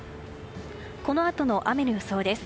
このあとの雨の予想です。